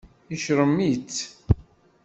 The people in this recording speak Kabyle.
Yecṛem-itt.